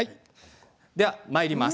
ではまいります。